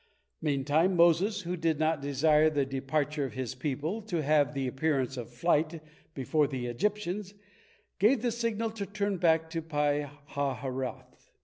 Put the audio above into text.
Meantime Moses, who did not desire the departure of his people to have the appearance of flight before the Egyptians, gave the signal to turn back to Pi hahiroth.